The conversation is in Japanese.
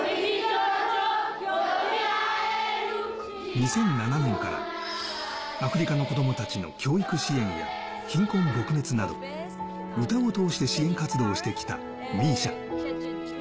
２００７年からアフリカの子供たちの教育支援や貧困撲滅など、歌を通して支援活動をしてきたＭＩＳＩＡ。